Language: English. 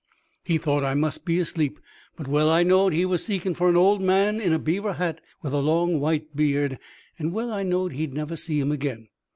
He thought I must be asleep; but well I knowed he was seeking for an old man in a beaver hat wi' a long white beard, and well I knowed he'd never see him again.